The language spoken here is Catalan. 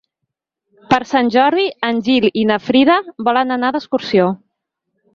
Per Sant Jordi en Gil i na Frida volen anar d'excursió.